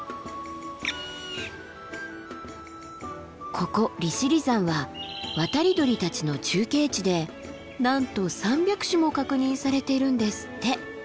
ここ利尻山は渡り鳥たちの中継地でなんと３００種も確認されているんですって。